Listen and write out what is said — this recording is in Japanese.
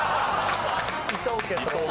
伊藤家と。